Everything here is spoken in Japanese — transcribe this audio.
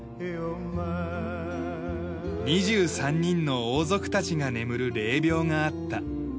２３人の王族たちが眠る霊廟があった。